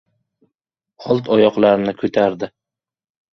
Old oyoqlarini ko‘tardi!